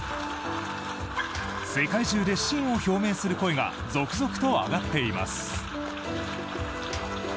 世界中で支援を表明する声が続々と上がっています。